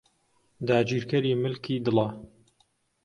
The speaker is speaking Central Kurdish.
داگیرکەری ملکی دڵە